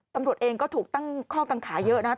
ตำรวจเองก็ถูกตั้งข้อกังขาเยอะนะครับ